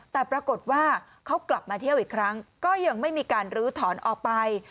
แต่ปรากฏว่าเขากลับมาเที่ยวอีกครั้งก็ยังไม่มีการลื้อถอนออกไป